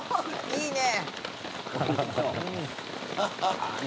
「いいね」